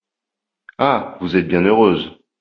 Ah ! vous êtes bien heureuse !